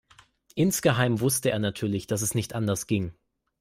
Insgeheim wusste er natürlich, dass es nicht anders ging.